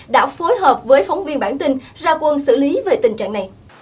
đã phối hợp với phóng viên bản tin ra quân xử lý về tình trạng này